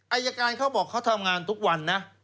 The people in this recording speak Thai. อายการเขาบอกเขาทำงานทุกวันนะ